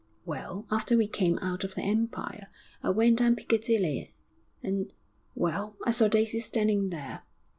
Well, after we came out of the Empire, I went down Piccadilly, and well, I saw Daisy standing there....